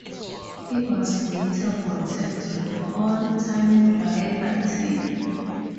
He was later voted to the All-Time Raider team.